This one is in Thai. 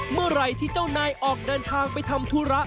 เมื่อไหร่ที่เจ้านายออกเดินทางไปทำธุระ